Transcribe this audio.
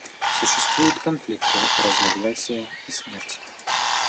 Существуют конфликты, разногласия и смерть.